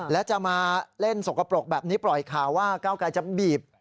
และจะมาเล่นสกปรกแบบนี้ปล่อยข่าวว่าก้าวไกรจะบีบ